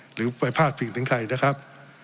หรือไปพาดพิงถึงใครนะครับ